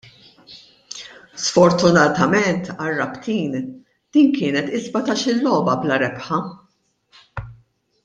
Sfortunatament għar-Rabtin din kienet is-sbatax-il logħba bla rebħa.